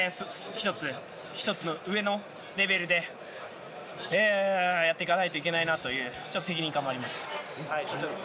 １つ１つ上のレベルでやっていかないといけないなというちょっと責任感もあります。